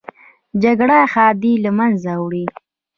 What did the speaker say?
جګړه ښادي له منځه وړي